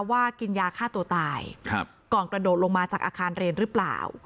กินยาฆ่าตัวตายก่อนกระโดดลงมาจากอาคารเรียนหรือเปล่า